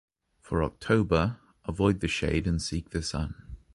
For October, avoid the shade and seek the sun.